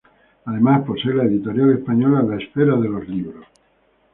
Además posee la editorial española La Esfera de los Libros.